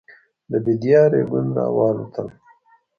د بېدیا رېګون راوالوتل.